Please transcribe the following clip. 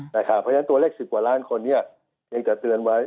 เพราะฉะนั้นตัวเลข๑๐กว่าล้านคนเพียงแต่เตือนไว้